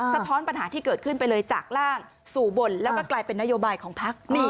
ท้อนปัญหาที่เกิดขึ้นไปเลยจากร่างสู่บนแล้วก็กลายเป็นนโยบายของพัก